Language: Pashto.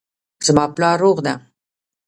زما پلار روغ ده